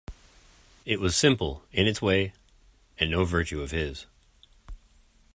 It was simple, in its way, and no virtue of his.